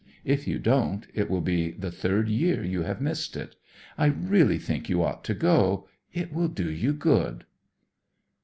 If you don't, it will be the third year you have missed it. I really think you ought to go. It will do you good."